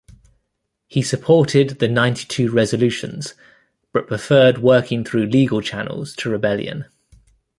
He supported the Ninety-Two Resolutions, but preferred working through legal channels to rebellion.